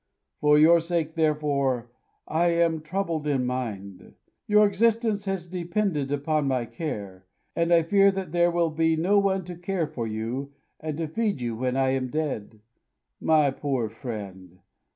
For your sake, therefore, I am troubled in mind. Your existence has depended upon my care; and I fear that there will be no one to care for you and to feed you when I am dead.... My poor friend!...